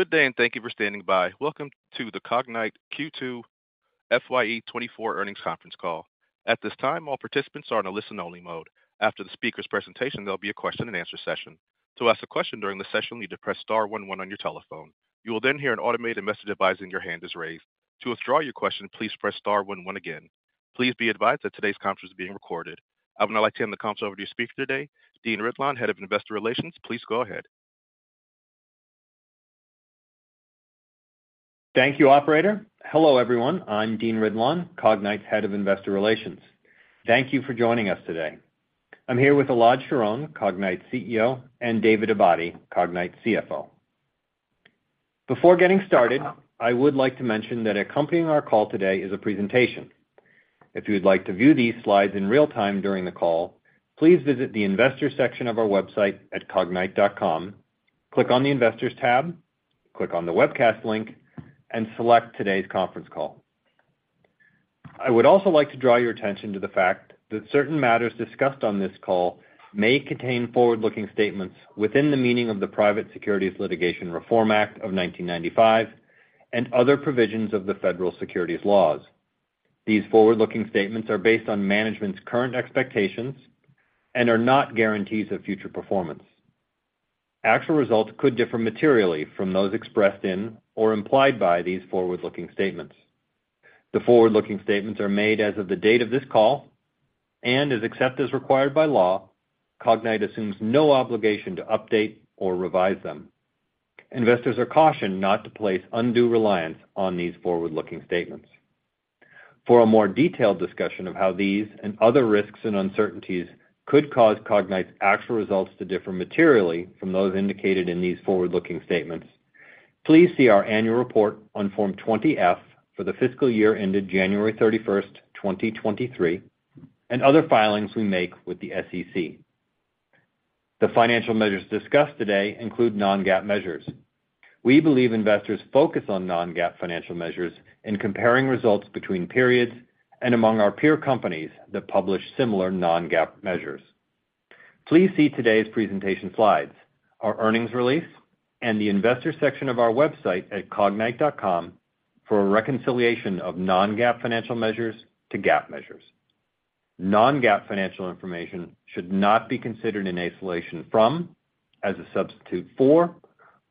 Good day, and thank you for standing by. Welcome to the Cognyte Q2 FY24 Earnings Conference Call. At this time, all participants are in a listen-only mode. After the speaker's presentation, there'll be a question-and-answer session. To ask a question during the session, you need to press star one one on your telephone. You will then hear an automated message advising your hand is raised. To withdraw your question, please press star one one again. Please be advised that today's conference is being recorded. I would now like to hand the conference over to your speaker today, Dean Ridlon, Head of Investor Relations. Please go ahead. Thank you, operator. Hello, everyone. I'm Dean Ridlon, Cognyte's Head of Investor Relations. Thank you for joining us today. I'm here with Elad Sharon, Cognyte's CEO, and David Abadi, Cognyte's CFO. Before getting started, I would like to mention that accompanying our call today is a presentation. If you would like to view these slides in real time during the call, please visit the investor section of our website at cognyte.com, click on the Investors tab, click on the Webcast link, and select today's conference call. I would also like to draw your attention to the fact that certain matters discussed on this call may contain forward-looking statements within the meaning of the Private Securities Litigation Reform Act of 1995, and other provisions of the Federal Securities laws. These forward-looking statements are based on management's current expectations and are not guarantees of future performance. Actual results could differ materially from those expressed in or implied by these forward-looking statements. The forward-looking statements are made as of the date of this call, and except as required by law, Cognyte assumes no obligation to update or revise them. Investors are cautioned not to place undue reliance on these forward-looking statements. For a more detailed discussion of how these and other risks and uncertainties could cause Cognyte's actual results to differ materially from those indicated in these forward-looking statements, please see our annual report on Form 20-F for the fiscal year ended January 31, 2023, and other filings we make with the SEC. The financial measures discussed today include non-GAAP measures. We believe investors focus on non-GAAP financial measures in comparing results between periods and among our peer companies that publish similar non-GAAP measures. Please see today's presentation slides, our earnings release, and the investor section of our website at cognyte.com for a reconciliation of non-GAAP financial measures to GAAP measures. Non-GAAP financial information should not be considered in isolation from, as a substitute for,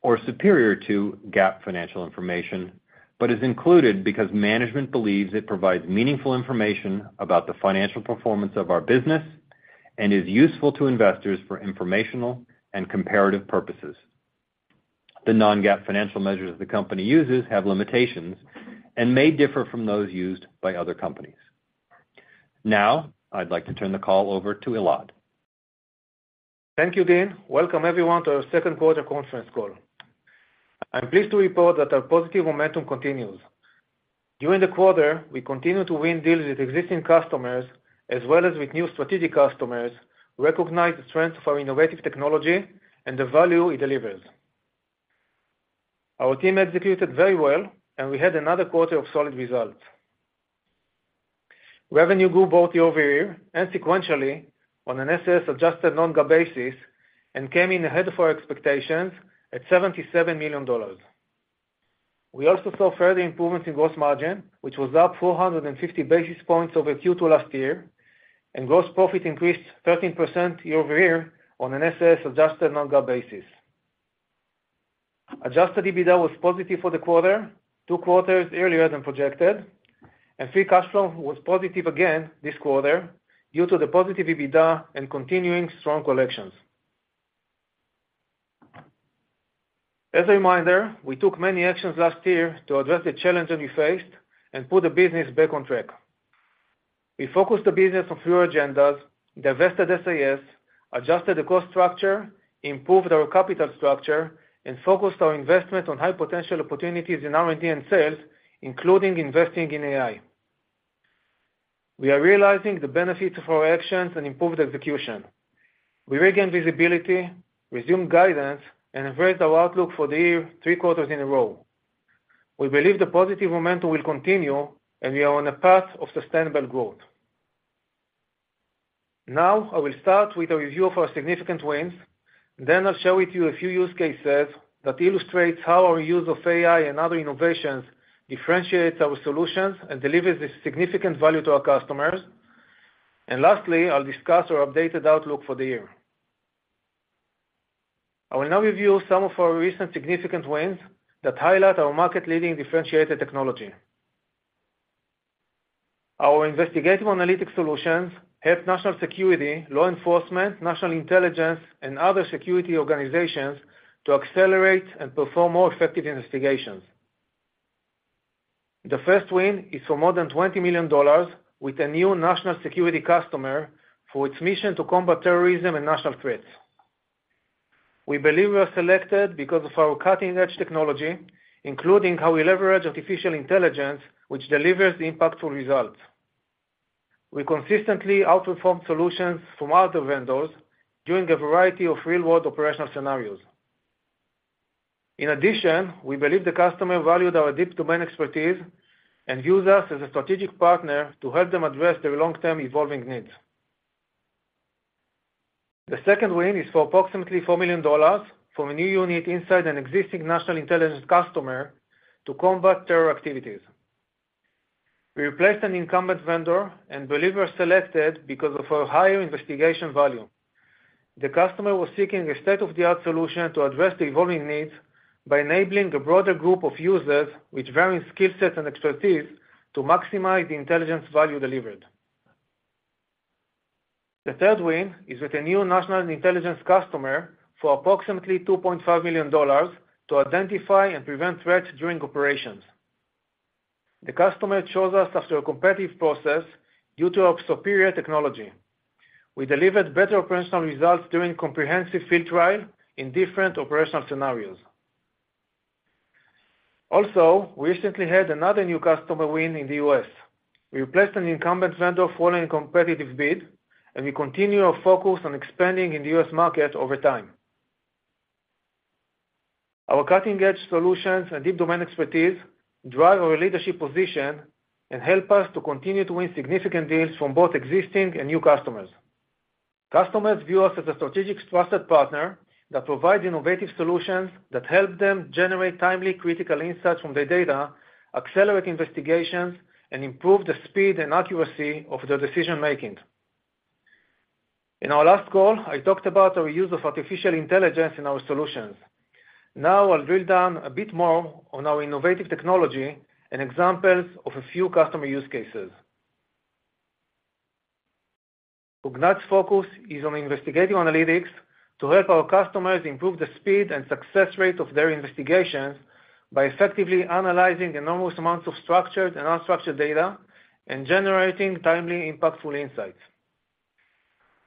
or superior to GAAP financial information, but is included because management believes it provides meaningful information about the financial performance of our business and is useful to investors for informational and comparative purposes. The non-GAAP financial measures the company uses have limitations and may differ from those used by other companies. Now, I'd like to turn the call over to Elad. Thank you, Dean. Welcome, everyone, to our second quarter conference call. I'm pleased to report that our positive momentum continues. During the quarter, we continued to win deals with existing customers, as well as with new strategic customers, recognize the strength of our innovative technology and the value it delivers. Our team executed very well, and we had another quarter of solid results. Revenue grew both year-over-year and sequentially on a SIS-adjusted non-GAAP basis and came in ahead of our expectations at $77 million. We also saw further improvements in gross margin, which was up 450 basis points over Q2 last year, and gross profit increased 13% year-over-year on a SIS-adjusted non-GAAP basis. Adjusted EBITDA was positive for the quarter, two quarters earlier than projected, and free cash flow was positive again this quarter due to the positive EBITDA and continuing strong collections. As a reminder, we took many actions last year to address the challenges we faced and put the business back on track. We focused the business on few agendas, divested SIS, adjusted the cost structure, improved our capital structure, and focused our investment on high-potential opportunities in R&D and sales, including investing in AI. We are realizing the benefits of our actions and improved execution. We regained visibility, resumed guidance, and advanced our outlook for the year three quarters in a row. We believe the positive momentum will continue, and we are on a path of sustainable growth. Now, I will start with a review of our significant wins. Then I'll share with you a few use cases that illustrates how our use of AI and other innovations differentiates our solutions and delivers the significant value to our customers. And lastly, I'll discuss our updated outlook for the year. I will now review some of our recent significant wins that highlight our market-leading differentiated technology. Our investigative analytics solutions help national security, law enforcement, national intelligence, and other security organizations to accelerate and perform more effective investigations. The first win is for more than $20 million with a new national security customer for its mission to combat terrorism and national threats. We believe we are selected because of our cutting-edge technology, including how we leverage artificial intelligence, which delivers impactful results. We consistently outperformed solutions from other vendors during a variety of real-world operational scenarios. In addition, we believe the customer valued our deep domain expertise and views us as a strategic partner to help them address their long-term evolving needs.... The second win is for approximately $4 million from a new unit inside an existing national intelligence customer to combat terror activities. We replaced an incumbent vendor and believe we were selected because of our higher investigation value. The customer was seeking a state-of-the-art solution to address the evolving needs by enabling a broader group of users with varying skill sets and expertise to maximize the intelligence value delivered. The third win is with a new national intelligence customer for approximately $2.5 million to identify and prevent threats during operations. The customer chose us after a competitive process due to our superior technology. We delivered better operational results during comprehensive field trial in different operational scenarios. Also, we recently had another new customer win in the U.S. We replaced an incumbent vendor following a competitive bid, and we continue our focus on expanding in the U.S. market over time. Our cutting-edge solutions and deep domain expertise drive our leadership position and help us to continue to win significant deals from both existing and new customers. Customers view us as a strategic trusted partner that provides innovative solutions that help them generate timely, critical insights from their data, accelerate investigations, and improve the speed and accuracy of their decision-making. In our last call, I talked about our use of artificial intelligence in our solutions. Now, I'll drill down a bit more on our innovative technology and examples of a few customer use cases. Cognyte's focus is on investigative analytics to help our customers improve the speed and success rate of their investigations by effectively analyzing enormous amounts of structured and unstructured data and generating timely, impactful insights.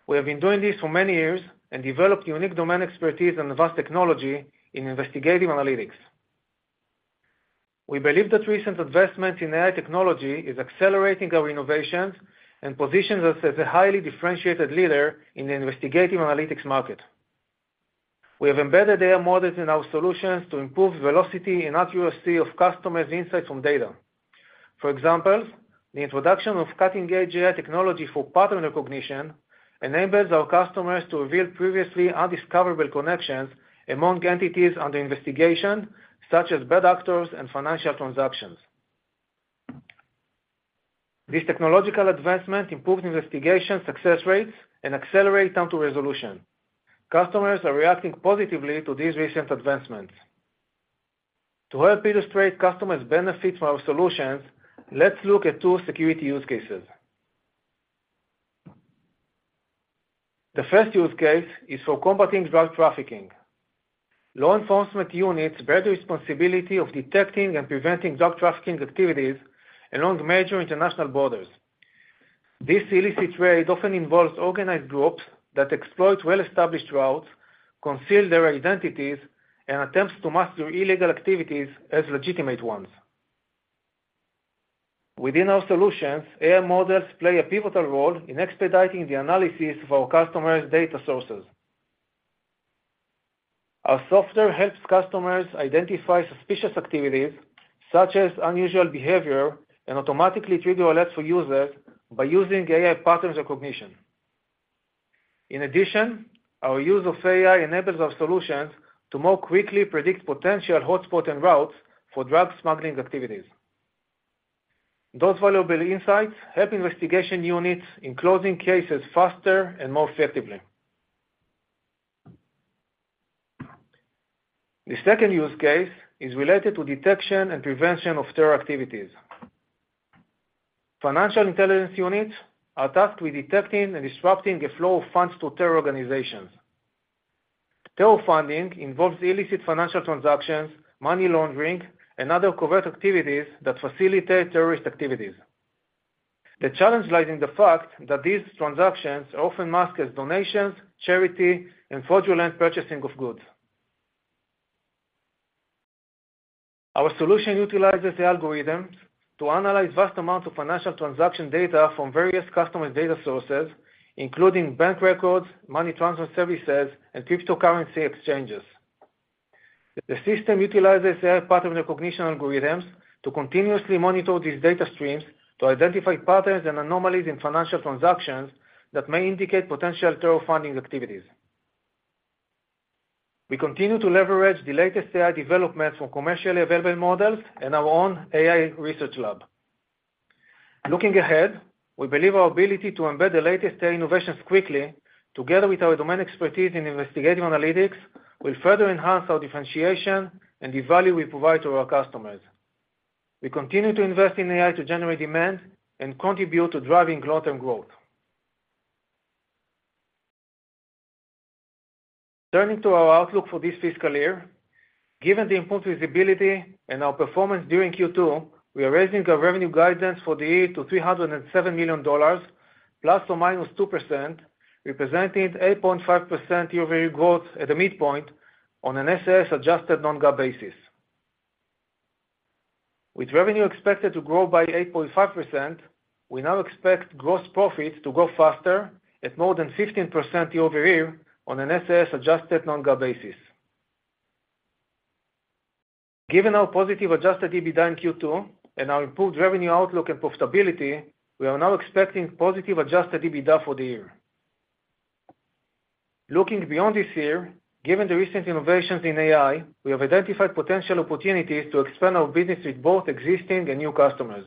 We have been doing this for many years and developed unique domain expertise and vast technology in investigative analytics. We believe that recent investments in AI technology is accelerating our innovations and positions us as a highly differentiated leader in the investigative analytics market. We have embedded AI models in our solutions to improve velocity and accuracy of customers' insights from data. For example, the introduction of cutting-edge AI technology for pattern recognition enables our customers to reveal previously undiscoverable connections among entities under investigation, such as bad actors and financial transactions. This technological advancement improved investigation success rates and accelerate time to resolution. Customers are reacting positively to these recent advancements. To help illustrate customers' benefits from our solutions, let's look at two security use cases. The first use case is for combating drug trafficking. Law enforcement units bear the responsibility of detecting and preventing drug trafficking activities along the major international borders. This illicit trade often involves organized groups that exploit well-established routes, conceal their identities, and attempts to mask their illegal activities as legitimate ones. Within our solutions, AI models play a pivotal role in expediting the analysis of our customers' data sources. Our software helps customers identify suspicious activities, such as unusual behavior, and automatically trigger alerts for users by using AI patterns recognition. In addition, our use of AI enables our solutions to more quickly predict potential hotspot and routes for drug smuggling activities. Those valuable insights help investigation units in closing cases faster and more effectively. The second use case is related to detection and prevention of terror activities. Financial intelligence units are tasked with detecting and disrupting the flow of funds to terror organizations. Terror funding involves illicit financial transactions, money laundering, and other covert activities that facilitate terrorist activities. The challenge lies in the fact that these transactions are often masked as donations, charity, and fraudulent purchasing of goods. Our solution utilizes the algorithms to analyze vast amounts of financial transaction data from various customer data sources, including bank records, money transfer services, and cryptocurrency exchanges. The system utilizes AI pattern recognition algorithms to continuously monitor these data streams to identify patterns and anomalies in financial transactions that may indicate potential terror funding activities. We continue to leverage the latest AI developments from commercially available models and our own AI research lab. Looking ahead, we believe our ability to embed the latest AI innovations quickly, together with our domain expertise in investigative analytics, will further enhance our differentiation and the value we provide to our customers. We continue to invest in AI to generate demand and contribute to driving long-term growth. Turning to our outlook for this fiscal year, given the improved visibility and our performance during Q2, we are raising our revenue guidance for the year to $307 million ±2%, representing 8.5% year-over-year growth at the midpoint on a SIS-adjusted non-GAAP basis. With revenue expected to grow by 8.5%, we now expect gross profit to grow faster at more than 15% year-over-year on a SIS-adjusted non-GAAP basis. Given our positive adjusted EBITDA in Q2 and our improved revenue outlook and profitability, we are now expecting positive adjusted EBITDA for the year. Looking beyond this year, given the recent innovations in AI, we have identified potential opportunities to expand our business with both existing and new customers.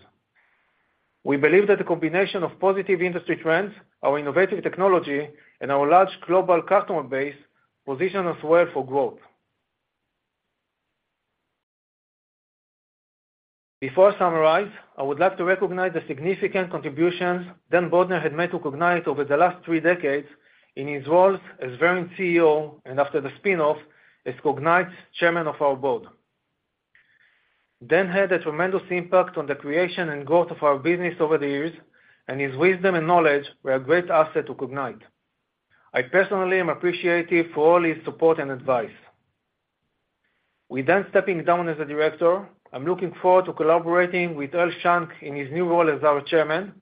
We believe that the combination of positive industry trends, our innovative technology, and our large global customer base position us well for growth. Before I summarize, I would like to recognize the significant contributions Dan Bodner had made to Cognyte over the last three decades in his roles as Verint CEO and after the spin-off, as Cognyte's Chairman of our Board. Dan had a tremendous impact on the creation and growth of our business over the years, and his wisdom and knowledge were a great asset to Cognyte. I personally am appreciative for all his support and advice. With Dan stepping down as a director, I'm looking forward to collaborating with Earl Shanks in his new role as our Chairman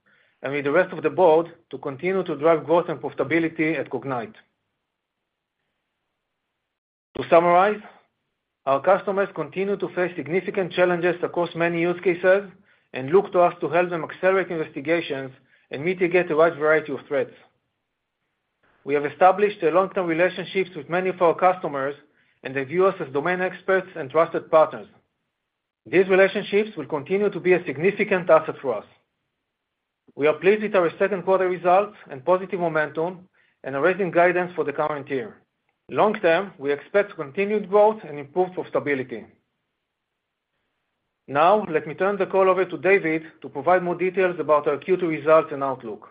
and with the rest of the Board to continue to drive growth and profitability at Cognyte. To summarize, our customers continue to face significant challenges across many use cases and look to us to help them accelerate investigations and mitigate a wide variety of threats. We have established long-term relationships with many of our customers, and they view us as domain experts and trusted partners. These relationships will continue to be a significant asset for us. We are pleased with our second quarter results and positive momentum and are raising guidance for the current year. Long term, we expect continued growth and improved profitability. Now, let me turn the call over to David to provide more details about our Q2 results and outlook.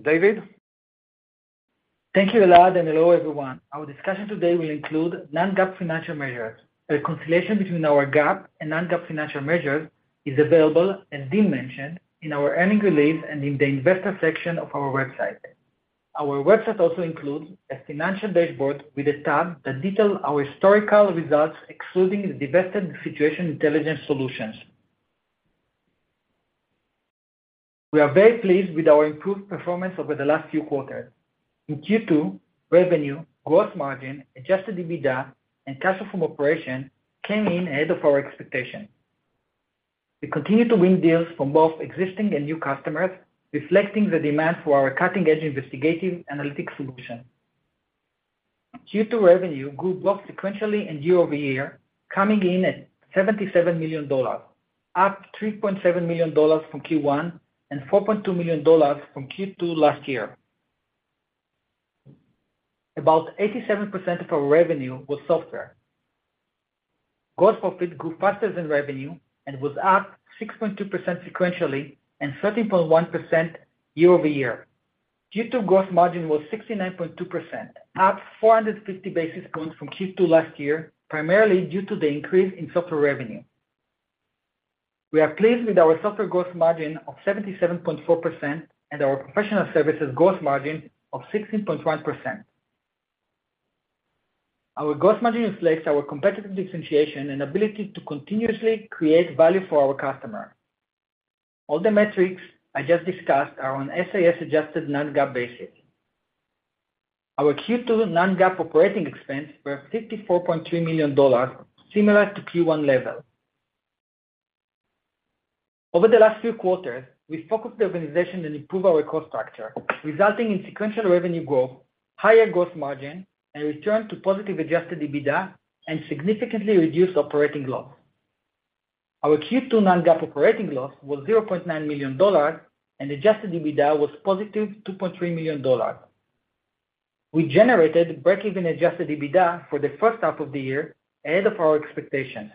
David? Thank you, Elad, and hello, everyone. Our discussion today will include non-GAAP financial measures. A reconciliation between our GAAP and non-GAAP financial measures is available, as Dean mentioned, in our earnings release and in the investor section of our website. Our website also includes a financial dashboard with a tab that details our historical results, excluding the divested Situational Intelligence Solutions. We are very pleased with our improved performance over the last few quarters. In Q2, revenue, gross margin, adjusted EBITDA, and cash flow from operation came in ahead of our expectations. We continue to win deals from both existing and new customers, reflecting the demand for our cutting-edge investigative analytics solution. Q2 revenue grew both sequentially and year-over-year, coming in at $77 million, up $3.7 million from Q1 and $4.2 million from Q2 last year. About 87% of our revenue was software. Gross profit grew faster than revenue and was up 6.2 sequentially and 13.1% year-over-year. Q2 gross margin was 69.2, up 450 basis points from Q2 last year, primarily due to the increase in software revenue. We are pleased with our software gross margin of 77.4% and our professional services gross margin of 16.1%. Our gross margin reflects our competitive differentiation and ability to continuously create value for our customer. All the metrics I just discussed are on SIS-adjusted non-GAAP basis. Our Q2 non-GAAP operating expense were $54.3 million, similar to Q1 level. Over the last few quarters, we focused the organization and improve our cost structure, resulting in sequential revenue growth, higher gross margin, and return to positive Adjusted EBITDA and significantly reduced operating loss. Our Q2 non-GAAP operating loss was $0.9 million, and Adjusted EBITDA was positive $2.3 million. We generated breakeven Adjusted EBITDA for the first half of the year ahead of our expectations.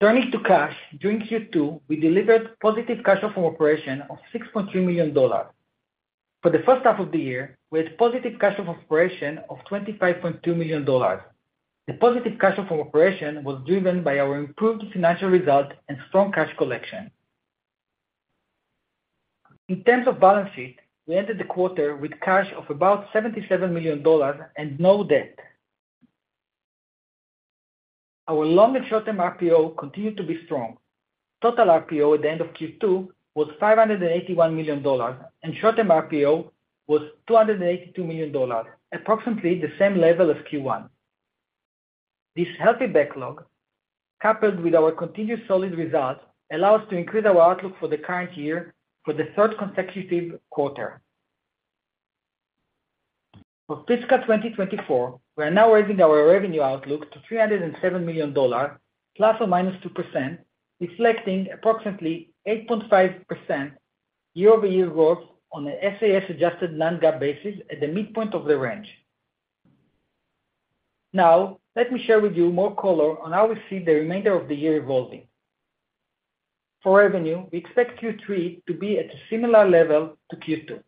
Turning to cash, during Q2, we delivered positive cash flow from operation of $6.3 million. For the first half of the year, we had positive cash flow from operation of $25.2 million. The positive cash flow from operation was driven by our improved financial results and strong cash collection. In terms of balance sheet, we ended the quarter with cash of about $77 million and no debt. Our long- and short-term RPO continued to be strong. Total RPO at the end of Q2 was $581 million, and short-term RPO was $282 million, approximately the same level as Q1. This healthy backlog, coupled with our continued solid results, allow us to increase our outlook for the current year for the third consecutive quarter. For fiscal 2024, we are now raising our revenue outlook to $307 million ±2%, reflecting approximately 8.5% year-over-year growth on a SIS-adjusted non-GAAP basis at the midpoint of the range. Now, let me share with you more color on how we see the remainder of the year evolving. For revenue, we expect Q3 to be at a similar level to Q2.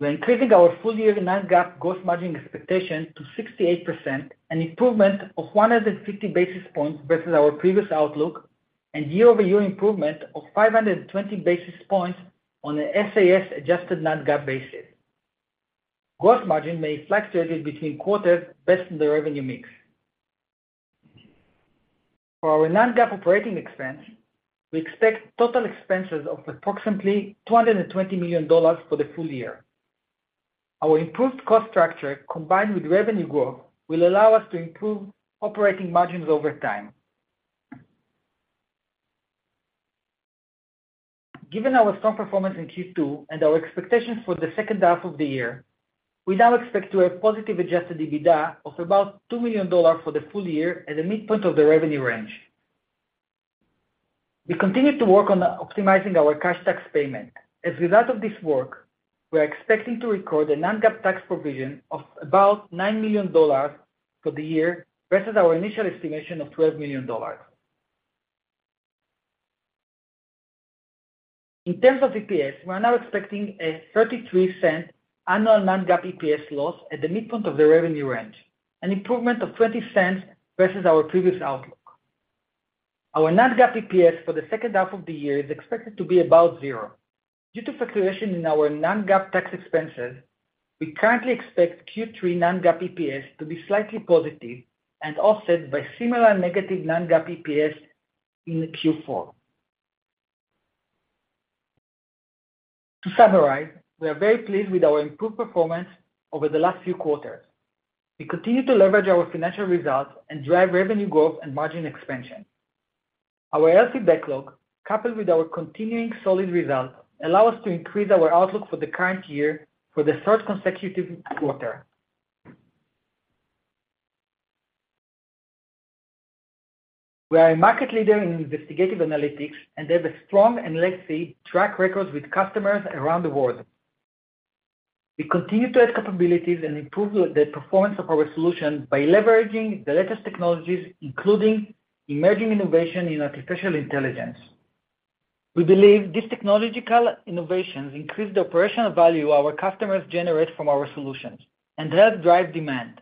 We're increasing our full-year non-GAAP gross margin expectation to 68%, an improvement of 150 basis points versus our previous outlook, and year-over-year improvement of 520 basis points on a SIS-adjusted non-GAAP basis. Gross margin may fluctuate between quarters based on the revenue mix. For our non-GAAP operating expense, we expect total expenses of approximately $220 million for the full year. Our improved cost structure, combined with revenue growth, will allow us to improve operating margins over time. Given our strong performance in Q2 and our expectations for the second half of the year, we now expect to have positive adjusted EBITDA of about $2 million for the full year at the midpoint of the revenue range. We continue to work on optimizing our cash tax payment. As a result of this work, we are expecting to record a non-GAAP tax provision of about $9 million for the year, versus our initial estimation of $12 million. In terms of EPS, we are now expecting a 33-cent annual non-GAAP EPS loss at the midpoint of the revenue range, an improvement of 20 cents versus our previous outlook. Our non-GAAP EPS for the second half of the year is expected to be about zero. Due to fluctuation in our non-GAAP tax expenses, we currently expect Q3 non-GAAP EPS to be slightly positive and offset by similar negative non-GAAP EPS in Q4. To summarize, we are very pleased with our improved performance over the last few quarters. We continue to leverage our financial results and drive revenue growth and margin expansion. Our healthy backlog, coupled with our continuing solid results, allow us to increase our outlook for the current year for the third consecutive quarter. We are a market leader in investigative analytics and have a strong and legacy track record with customers around the world. We continue to add capabilities and improve the performance of our solutions by leveraging the latest technologies, including emerging innovation in artificial intelligence. We believe these technological innovations increase the operational value our customers generate from our solutions and help drive demand.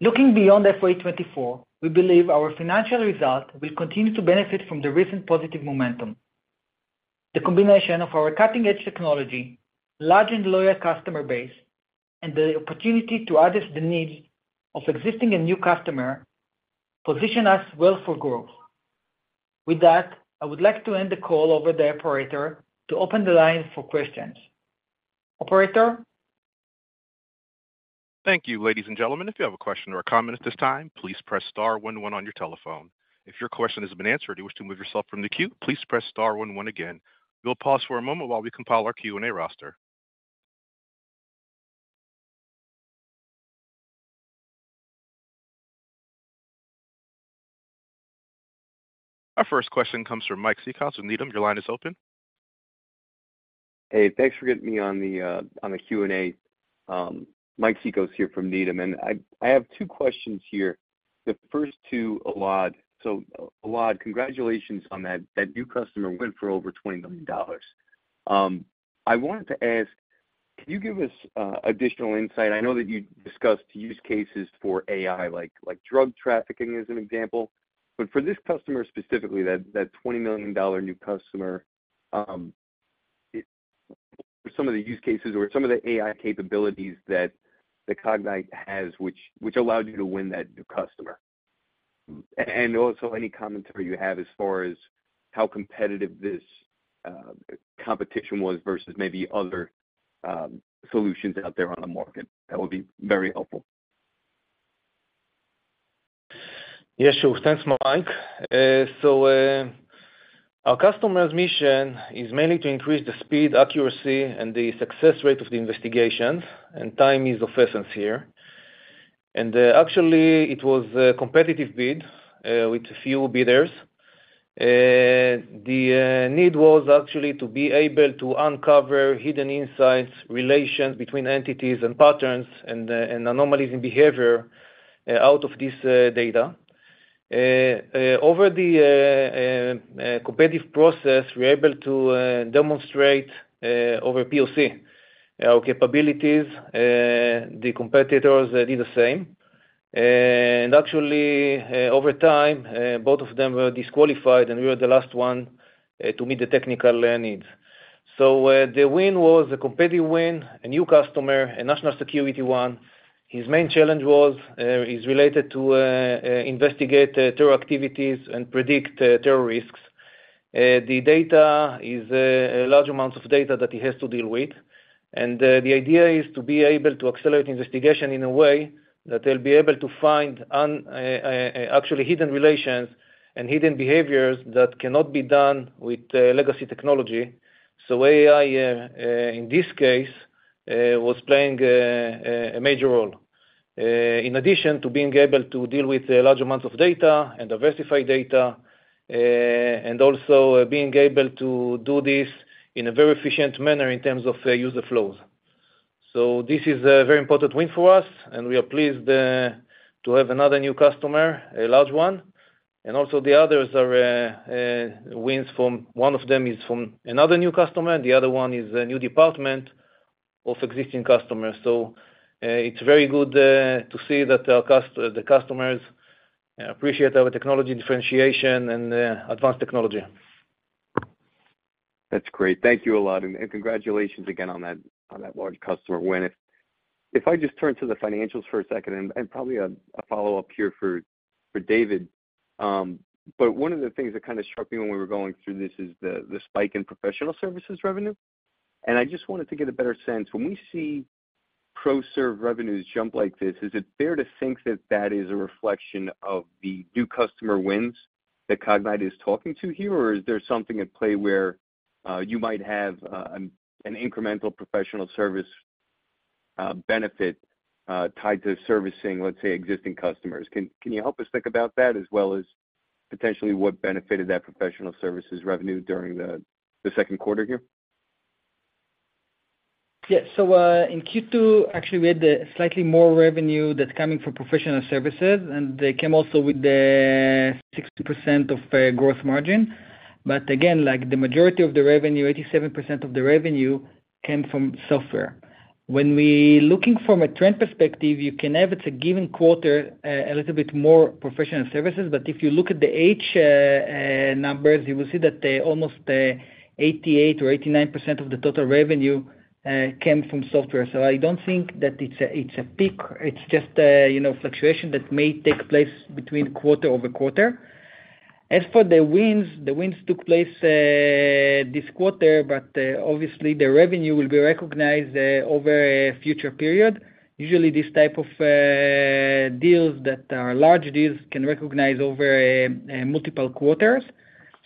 Looking beyond FY 2024, we believe our financial results will continue to benefit from the recent positive momentum. The combination of our cutting-edge technology, large and loyal customer base, and the opportunity to address the needs of existing and new customer, position us well for growth. With that, I would like to hand the call over to the operator to open the line for questions. Operator? Thank you, ladies and gentlemen. If you have a question or a comment at this time, please press star one one on your telephone. If your question has been answered, or you wish to remove yourself from the queue, please press star one one again. We'll pause for a moment while we compile our Q&A roster. Our first question comes from Mike Cikos with Needham. Your line is open. Hey, thanks for getting me on the Q&A. Mike Cikos here from Needham, and I have two questions here. The first to Elad. So Elad, congratulations on that new customer win for over $20 million. I wanted to ask: can you give us additional insight? I know that you discussed use cases for AI, like drug trafficking as an example, but for this customer, specifically, that $20 million new customer, some of the use cases or some of the AI capabilities that the Cognyte has, which allowed you to win that new customer. And also any commentary you have as far as how competitive this competition was versus maybe other solutions out there on the market, that would be very helpful. Yes, sure. Thanks, Mike. So, our customer's mission is mainly to increase the speed, accuracy, and the success rate of the investigations, and time is of essence here. Actually, it was a competitive bid with a few bidders. The need was actually to be able to uncover hidden insights, relations between entities and patterns and anomalies in behavior out of this data. Over the competitive process, we're able to demonstrate over POC our capabilities, the competitors did the same. Actually, over time, both of them were disqualified, and we were the last one to meet the technical needs. So, the win was a competitive win, a new customer, a national security one. His main challenge was, is related to, investigate terror activities and predict terror risks. The data is a large amount of data that he has to deal with, and the idea is to be able to accelerate investigation in a way that they'll be able to find actually hidden relations and hidden behaviors that cannot be done with legacy technology. So AI in this case was playing a major role. In addition to being able to deal with large amounts of data and diversified data, and also being able to do this in a very efficient manner in terms of user flows. So this is a very important win for us, and we are pleased to have another new customer, a large one, and also the others are wins from one of them is from another new customer, the other one is a new department of existing customers. So, it's very good to see that the customers appreciate our technology differentiation and advanced technology.... That's great. Thank you a lot, and congratulations again on that large customer win. If I just turn to the financials for a second and probably a follow-up here for David. But one of the things that kind of struck me when we were going through this is the spike in professional services revenue. And I just wanted to get a better sense. When we see pro serve revenues jump like this, is it fair to think that that is a reflection of the new customer wins that Cognyte is talking to here? Or is there something at play where you might have an incremental professional service benefit tied to servicing, let's say, existing customers? Can you help us think about that, as well as potentially what benefited that professional services revenue during the second quarter here? Yeah. So, in Q2, actually, we had slightly more revenue that's coming from professional services, and they came also with the 60% of gross margin. But again, like, the majority of the revenue, 87% of the revenue came from software. When we looking from a trend perspective, you can have, it's a given quarter, a little bit more professional services, but if you look at the H1 numbers, you will see that almost 88% or 89% of the total revenue came from software. So I don't think that it's a, it's a peak. It's just a, you know, fluctuation that may take place between quarter-over-quarter. As for the wins, the wins took place this quarter, but obviously, the revenue will be recognized over a future period. Usually, this type of deals that are large deals can recognize over multiple quarters,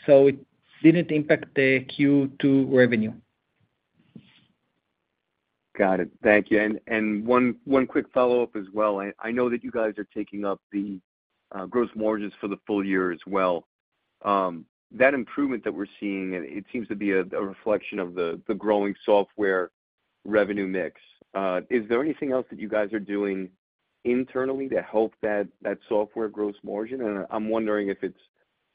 so it didn't impact the Q2 revenue. Got it. Thank you. And one quick follow-up as well. I know that you guys are taking up the gross margins for the full year as well. That improvement that we're seeing, and it seems to be a reflection of the growing software revenue mix. Is there anything else that you guys are doing internally to help that software gross margin? And I'm wondering if it's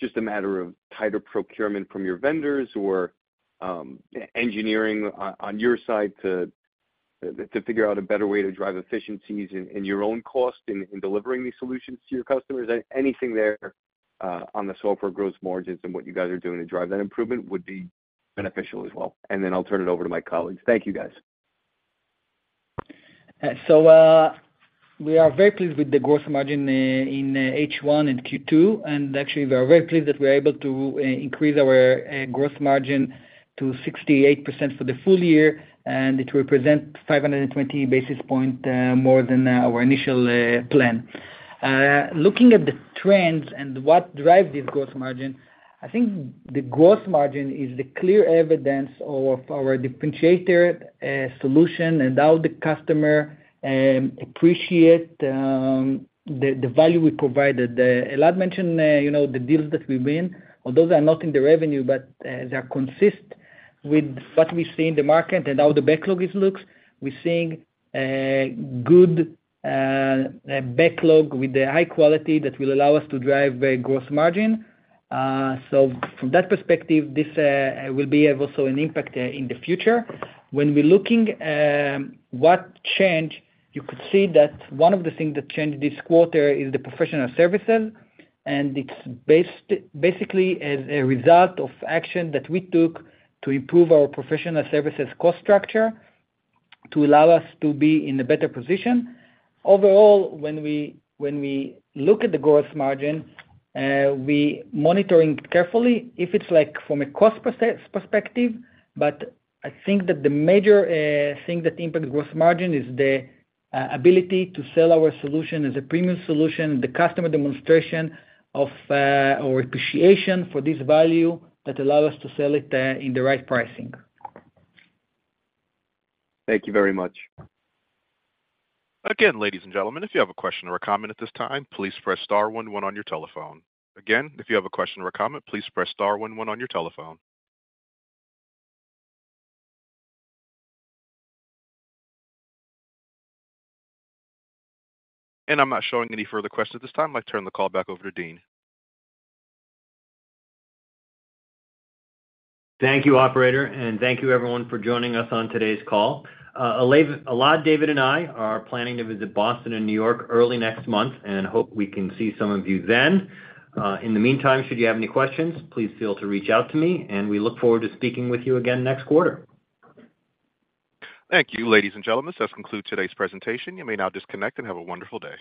just a matter of tighter procurement from your vendors or engineering on your side to figure out a better way to drive efficiencies in your own cost in delivering these solutions to your customers. Anything there on the software gross margins and what you guys are doing to drive that improvement would be beneficial as well, and then I'll turn it over to my colleagues. Thank you, guys. So, we are very pleased with the gross margin in H1 and Q2, and actually, we are very pleased that we're able to increase our gross margin to 68% for the full year, and it will present 520 basis point more than our initial plan. Looking at the trends and what drive this gross margin, I think the gross margin is the clear evidence of our differentiated solution and how the customer appreciate the value we provided. Elad mentioned, you know, the deals that we win, although they are not in the revenue, but they are consist with what we see in the market and how the backlog is looks. We're seeing a good backlog with the high quality that will allow us to drive the gross margin. So from that perspective, this will be of also an impact in the future. When we looking, what changed, you could see that one of the things that changed this quarter is the professional services, and it's basically, as a result of action that we took to improve our professional services cost structure, to allow us to be in a better position. Overall, when we look at the gross margin, we monitoring carefully if it's like from a cost perspective, but I think that the major thing that impact gross margin is the ability to sell our solution as a premium solution, the customer demonstration of our appreciation for this value that allow us to sell it in the right pricing. Thank you very much. Again, ladies and gentlemen, if you have a question or a comment at this time, please press star one one on your telephone. Again, if you have a question or a comment, please press star one one on your telephone. I'm not showing any further questions at this time. I'd like to turn the call back over to Dean. Thank you, operator, and thank you everyone for joining us on today's call. Elad, David, and I are planning to visit Boston and New York early next month, and hope we can see some of you then. In the meantime, should you have any questions, please feel free to reach out to me, and we look forward to speaking with you again next quarter. Thank you, ladies and gentlemen. This concludes today's presentation. You may now disconnect and have a wonderful day.